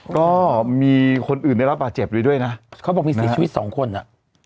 ก็มีคนอื่นในรับป่าเจ็บด้วยด้วยนะเขาบอกมี๔ชีวิต๒คนอ่ะ